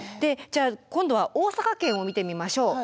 じゃあ今度は大阪圏を見てみましょう。